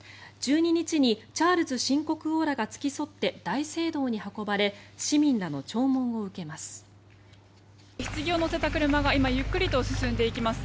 １２日にチャールズ新国王らが付き添って大聖堂に運ばれ市民らの弔問を受けます。